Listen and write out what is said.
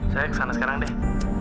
saya kesana sekarang deh